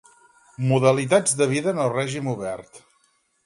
Modalitats de vida en el règim obert.